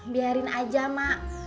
biarin aja mak